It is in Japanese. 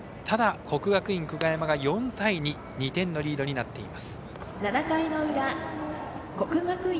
ただ、国学院久我山が４対２２点のリードになっています。